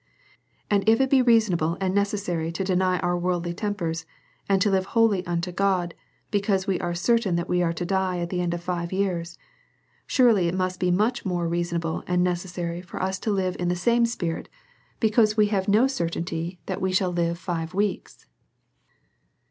And if it be reasonable and necessary to deny our worldly tempers, and live wholly unto God, because 160 A SERIOUS CALL TO A we are certain that we are to die at the end of five years ; surely it must be more reasonable and neces sary for us to live in the same spirit, because we have no certainty that we shall live five weeks.